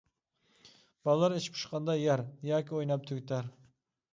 بالىلار ئىچى پۇشقاندا يەر ياكى ئويناپ تۈگىتەر.